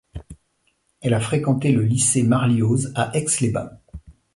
Elle a fréquenté le Lycée Marlioz à Aix-les-Bains.